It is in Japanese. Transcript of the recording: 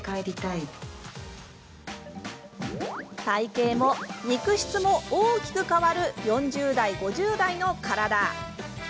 体型も肉質も大きく変わる４０代、５０代の体。